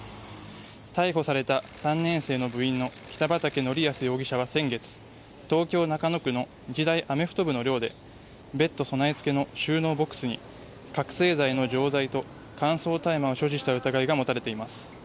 逮捕された３年生の部員の北畠成文容疑者は先月東京・中野区の日大アメフト部の寮でベッド備え付けの収納ボックスに覚醒剤の錠剤と乾燥大麻を所持した疑いが持たれています。